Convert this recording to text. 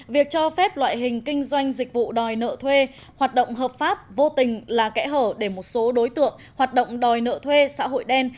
việc cho phép loại hình kinh doanh dịch vụ đòi nợ thuê hoạt động hợp pháp vô tình là kẽ hở để một số đối tượng hoạt động đòi nợ thuê xã hội đen